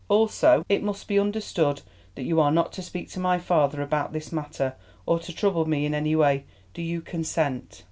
Also, it must be understood that you are not to speak to my father about this matter, or to trouble me in any way. Do you consent?"